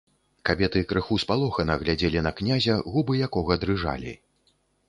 Кабеты крыху спалохана глядзелі на князя, губы якога дрыжалі.